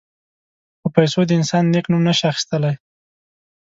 په پیسو د انسان نېک نوم نه شي اخیستلای.